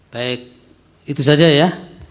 baik itu saja ya